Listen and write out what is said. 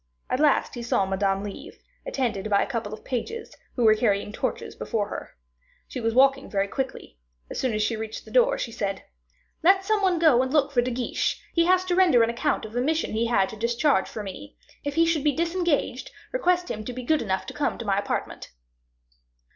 At last he saw Madame leave, attended by a couple of pages, who were carrying torches before her. She was walking very quickly; as soon as she reached the door, she said: "Let some one go and look for De Guiche: he has to render an account of a mission he had to discharge for me; if he should be disengaged, request him to be good enough to come to my apartment."